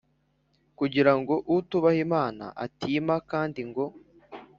Kugira ngo utubaha Imana atima Kandi ngo